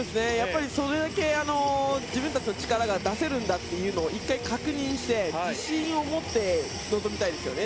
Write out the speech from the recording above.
それだけ自分たちの力が出せるんだというのを１回確認して自信を持って臨みたいですよね